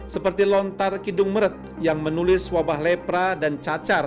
seperti lontar kidung meret yang menulis wabah lepra dan cacar